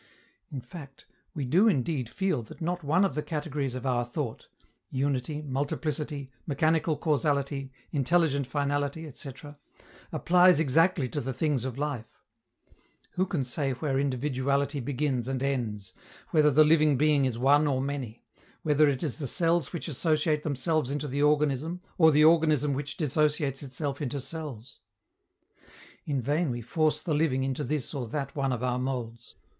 In fact, we do indeed feel that not one of the categories of our thought unity, multiplicity, mechanical causality, intelligent finality, etc. applies exactly to the things of life: who can say where individuality begins and ends, whether the living being is one or many, whether it is the cells which associate themselves into the organism or the organism which dissociates itself into cells? In vain we force the living into this or that one of our molds.